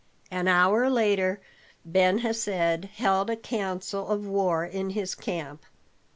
An hour later Ben Hesed held a council of war in his camp.